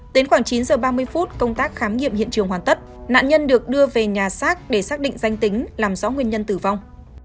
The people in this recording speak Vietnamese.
đến khoảng chín h ba mươi phút công tác khám nghiệm hiện trường hoàn tất nạn nhân được đưa về nhà xác để xác định danh tính làm rõ nguyên nhân tử vong